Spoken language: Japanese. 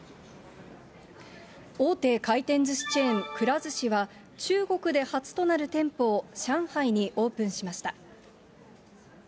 大手回転ずしチェーン、くら寿司が、中国で初となる店舗を上海にオープンしました。